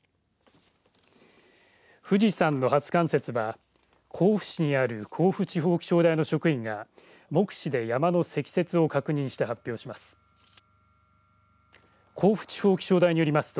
富士山の初冠雪は甲府市にある甲府地方気象台の職員が目視で山の積雪を確認して発表します。